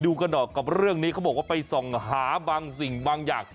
กันหน่อยกับเรื่องนี้เขาบอกว่าไปส่องหาบางสิ่งบางอย่าง